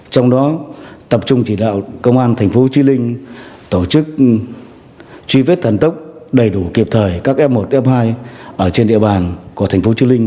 tổ chức truy vết thần tốc đầy đủ kịp thời các f một f hai ở trên địa bàn của thành phố chư linh